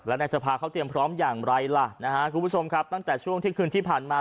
และในสภาเขาเตรียมพร้อมอย่างไรล่ะนะฮะคุณผู้ชมครับตั้งแต่ช่วงเที่ยงคืนที่ผ่านมา